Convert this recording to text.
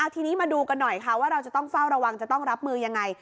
ทีนี้มาดูกันหน่อยค่ะว่าเราจะต้องเฝ้าระวังจะต้องรับมือยังไง